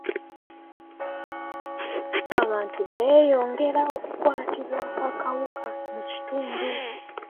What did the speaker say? Abantu beeyongera okukwatibwa akawuka mu kitundu.